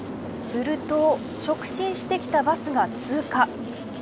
すると直進してきたバスが通過。